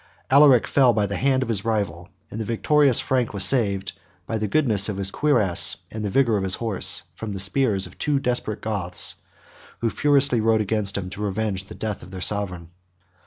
Alaric fell by the hand of his rival; and the victorious Frank was saved by the goodness of his cuirass, and the vigor of his horse, from the spears of two desperate Goths, who furiously rode against him to revenge the death of their sovereign.